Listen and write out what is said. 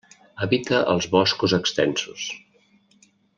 Evita els boscos extensos.